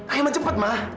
akhirnya cepet ma